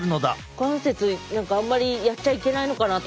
股関節何かあんまりやっちゃいけないのかなと思ってた。